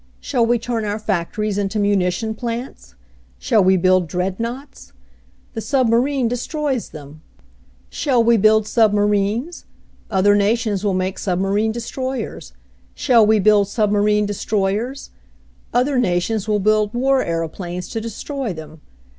"Shall we turn our factories into munition plants? Shall we build dreadnoughts? The sub marine destroys them. Shall we build sub THE BEST PREPAREDNESS 181; marines? Other nations will make submarine destroyers. Shall we build submarine destroy ers? Other nations will build war aeroplanes to destroy them.